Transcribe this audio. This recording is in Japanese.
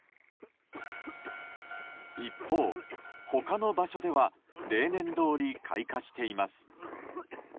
一方、他の場所では例年どおり開花しています。